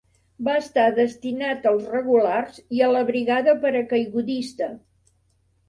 Va estar destinat als Regulars i a la Brigada Paracaigudista.